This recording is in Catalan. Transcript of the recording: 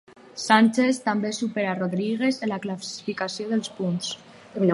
Sánchez també superà Rodríguez en la classificació dels punts.